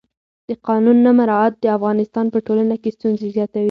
د قانون نه مراعت د افغانستان په ټولنه کې ستونزې زیاتوي